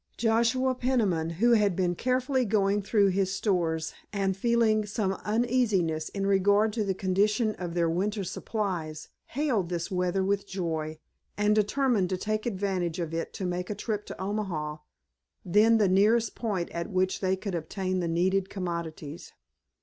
Joshua Peniman, who had been carefully going through his stores and feeling some uneasiness in regard to the condition of their winter supplies, hailed this weather with joy, and determined to take advantage of it to make a trip to Omaha, then the nearest point at which they could obtain the needed commodities.